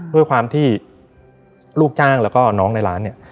ด้วยความที่ลูกจ้างแล้วก็น้องในร้านเนี่ย